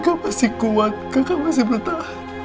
kakak pasti kuat kakak pasti bertahan